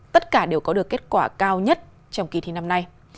tất cả đều có được kết quả cao nhất trong kỳ thi năm nay